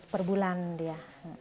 per bulan dia